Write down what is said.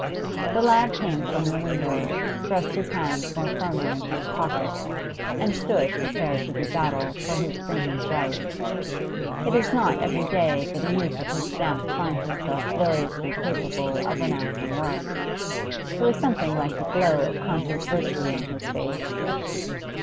The lad came from the window, thrust his hands more firmly into his pockets and stood prepared to do battle for his freeman's rights It is not every day that a youth of his stamp finds himself gloriously capable of renouncing work. There was something like a glow of conscious virtue on his face.